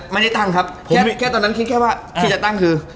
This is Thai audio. ไม่ได้ตั้งครับแค่ตอนนั้นคิดแค่ว่าที่จะตั้งคือ